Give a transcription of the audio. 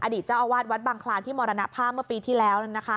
อดีตเจ้าอาวาสวัดบางคลานที่มรณภาเมื่อปีที่แล้วเลยนะคะ